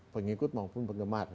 pengikut maupun penggemar